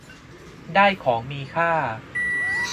ได้ของมีค่า